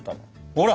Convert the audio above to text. ほら！